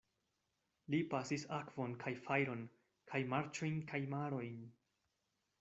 Li pasis akvon kaj fajron kaj marĉojn kaj marojn.